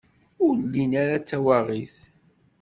Ur llin ara d tawaɣit.